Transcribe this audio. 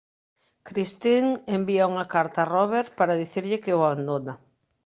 Christine envía unha carta a Robert para dicirlle que o abandona.